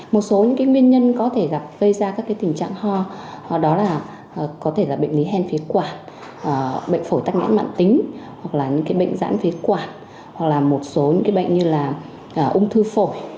một số nguyên nhân có thể gây ra các tình trạng ho đó là có thể là bệnh lý hen phế quả bệnh phổi tắc nhãn mạng tính hoặc là những bệnh giãn phế quả hoặc là một số bệnh như là ung thư phổi